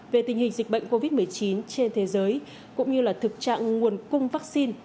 về tình hình dịch bệnh covid một mươi chín trên thế giới cũng như là thực trạng nguồn cung vaccine